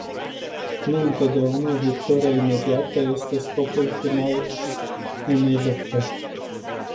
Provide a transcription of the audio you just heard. Nu întotdeauna victoria imediată este scopul final unei lupte.